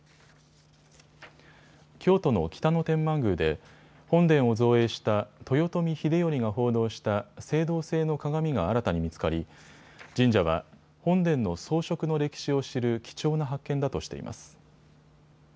京都の北野天満宮で本殿を造営した豊臣秀頼が奉納した青銅製の鏡が新たに見つかり神社は本殿の装飾の歴史を知る貴重な発見だとしています。